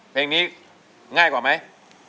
เพลงนี้ง่ายกว่าไหม